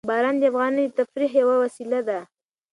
باران د افغانانو د تفریح یوه وسیله ده.